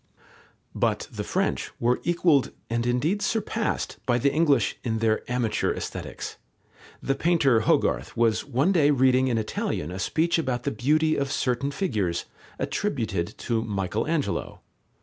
But the French were equalled and indeed surpassed by the English in their amateur Aesthetics. The painter Hogarth was one day reading in Italian a speech about the beauty of certain figures, attributed to Michael Angelo.